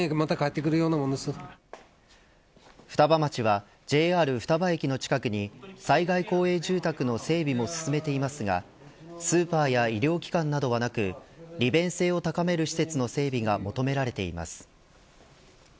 双葉町はＪＲ双葉駅の近くに災害公営住宅の整備も進めていますがスーパーや医療機関などはなく利便性を高める施設の整備が求められています。